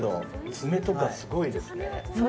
爪とかすごいですね。